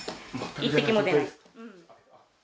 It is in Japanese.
一滴も出ない。